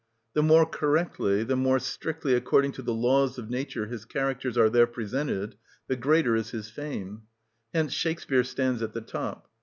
The more correctly, the more strictly according to the laws of nature his characters are there presented, the greater is his fame; hence Shakespeare stands at the top.